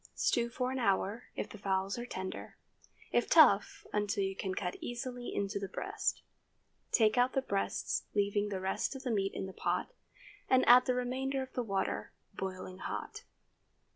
Stew for an hour, if the fowls are tender; if tough, until you can cut easily into the breast. Take out the breasts, leaving the rest of the meat in the pot, and add the remainder of the water—boiling hot.